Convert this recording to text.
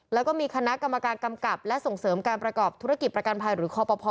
แล้วก็มีคณะกรรมการกำกับและส่งเสริมการประกอบธุรกิจประกันภัยหรือคอปภ